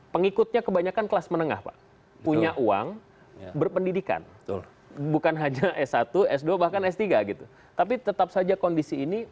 pengikutnya kebanyakan kelas menengah pak punya uang berpendidikan bukan hanya s satu s dua bahkan s tiga gitu tapi tetap saja kondisi ini